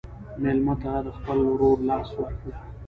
مېلمه ته د خپل ورور لاس ورکړه.